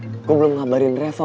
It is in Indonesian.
gue lupa mon gue belum ngabarin reva